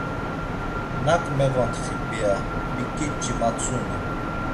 Nak mevontxi p̌iya biǩiç̌i matzunen.